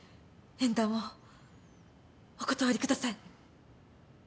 縁談をお断りください。